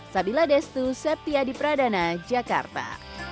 sabila destu septya di pradana jakarta